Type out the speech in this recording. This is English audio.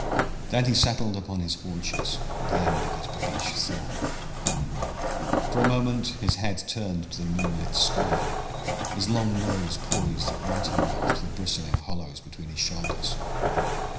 Then he settled upon his haunches at the end of his babeesh thong. For a moment his head turned to the moonlit sky, his long nose poised at right angles to the bristling hollows between his shoulders.